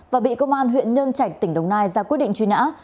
vì công an huyện nhân trạch tỉnh đồng nai ra quyết định truy nã